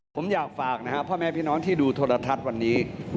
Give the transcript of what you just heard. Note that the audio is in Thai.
ผมอยากฝากนะครับพ่อแม่พี่น้องที่ดูโทรทัศน์วันนี้